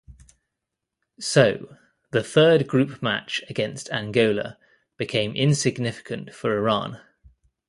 So, the third group match against Angola became insignificant for Iran.